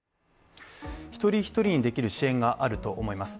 一人一人にできる支援があると思います。